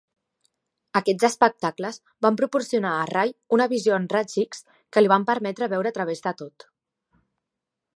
Aquests espectacles van proporcionar a Ray una visió en raigs X que li van permetre veure a través de tot.